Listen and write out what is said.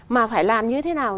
mà phải làm như thế nào